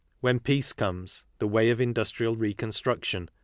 When Peace Comes — the Way ol Indnstrial Reconstruction.